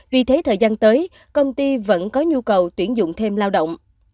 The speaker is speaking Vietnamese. vì thế thời gian tới công ty vẫn có nhu cầu tuyển dụng thêm lao động